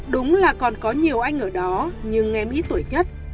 đúng là còn có nhiều anh ở đó nhưng nghem ít tuổi nhất